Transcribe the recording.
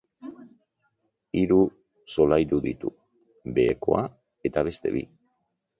Hiru solairu ditu, behekoa eta beste bi.